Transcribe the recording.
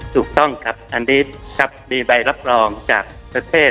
ถูกต้องครับอันนี้ครับมีใบรับรองจากประเทศ